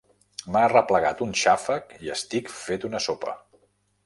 M'ha arreplegat un xàfec i estic fet una sopa.